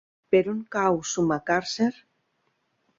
Per on cau Sumacàrcer?